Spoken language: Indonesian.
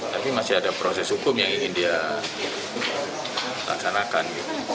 tapi masih ada proses hukum yang ingin dia laksanakan